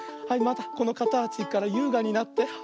はいまたこのかたちからゆうがになって。